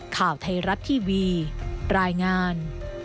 ข่าวไทยรัฐทีวีรายงาน